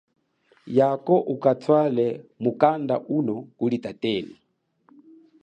Yako ukatwale mukanda uno kuli tatenu.